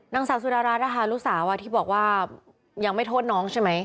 นางสาวสุดารัฐนะคะลูกสาวที่บอกว่ายังไม่โทษน้องใช่ไหม